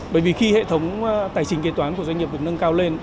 bởi vì khi hệ thống tài chính kế toán của doanh nghiệp được nâng cao lên